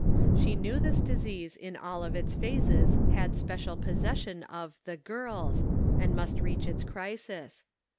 She knew this disease in all of its phases had special possession of "the girls," and must reach its crisis.